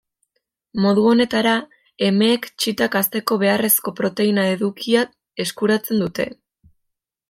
Modu honetara, emeek txitak hazteko beharrezko proteina edukia eskuratzen dute.